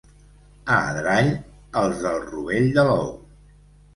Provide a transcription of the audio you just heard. A Adrall, els del rovell de l'ou.